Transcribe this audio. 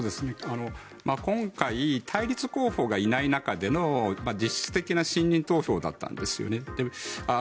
今回対立候補がいない中での実質的な信任投票だったんですよね。